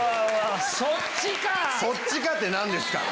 「そっちか！」って何ですか？